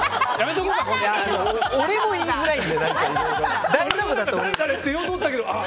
俺も言いづらいんで。